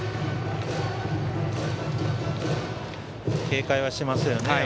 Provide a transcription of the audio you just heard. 警戒はしていますね。